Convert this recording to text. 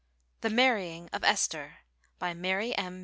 The Marrying of Esther BY MARY M.